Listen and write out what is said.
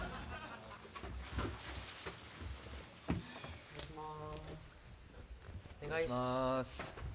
お願いします。